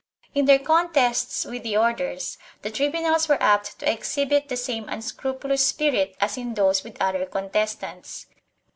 2 In their contests with the Orders, the tribunals were apt to exhibit the same unscrupulous spirit as in those with other con testants.